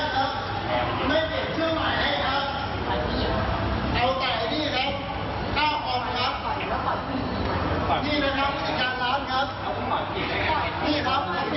ก็มันเกณฑ์ไม่ได้คู่มันเกณฑ์ไม่ได้